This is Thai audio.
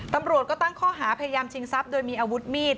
ตำรวจก็ตั้งข้อหาพยายามชิงทรัพย์โดยมีอาวุธมีด